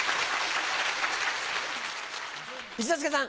一之輔さん。